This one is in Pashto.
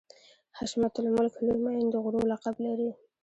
حشمت الملک لوی معین د غرو لقب لري.